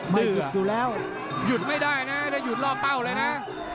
ดื้อยุดไม่ได้นะได้หยุดรอบเป้าเลยนะ